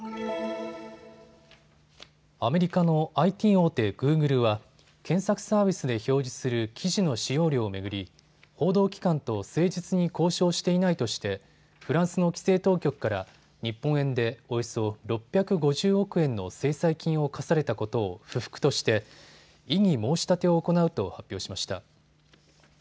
アメリカのＩＴ大手グーグルは検索サービスで表示する記事の使用料を巡り報道機関と誠実に交渉していないとしてフランスの規制当局から日本円でおよそ６５０億円の制裁金を科されたことを不服として異議申し立てを行うと発表しました。